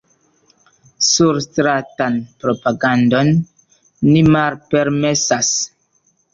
Surstratan propagandon ni malpermesas.